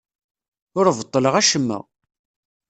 Ur beṭṭleɣ acemma.